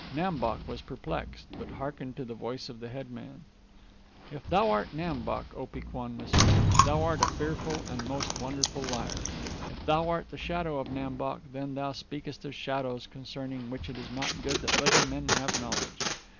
Nam Bok was perplexed, but hearkened to the voice of the head man. "If thou art Nam Bok," Opee Kwan was saying, "thou art a fearful and most wonderful liar; if thou art the shadow of Nam Bok, then thou speakest of shadows, concerning which it is not good that living men have knowledge.